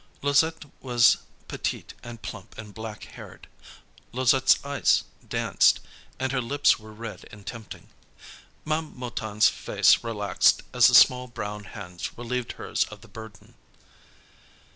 Louisette was petite and plump and black haired. Louisette's eyes danced, and her lips were red and tempting. Ma'am Mouton's face relaxed as the small brown hands relieved hers of their burden.